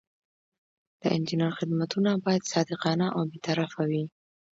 د انجینر خدمتونه باید صادقانه او بې طرفه وي.